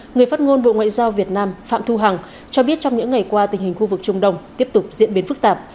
người phát ngôn bộ ngoại giao việt nam phạm thu hằng cho biết trong những ngày qua tình hình khu vực trung đông tiếp tục diễn biến phức tạp